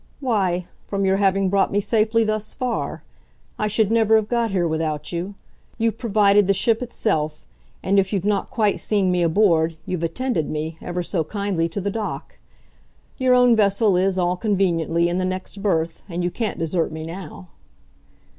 "Why, from your having brought me safely thus far. I should never have got here without you. You've provided the ship itself, and, if you've not quite seen me aboard, you've attended me, ever so kindly, to the dock. Your own vessel is, all conveniently, in the next berth, and you can't desert me now."